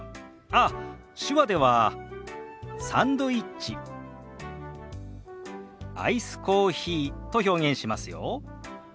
ああ手話では「サンドイッチ」「アイスコーヒー」と表現しますよ。